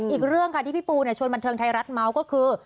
อีกเรื่องค่ะที่พี่ปูชวนบันเทิงไทยรัฐเมาส์ก็คือ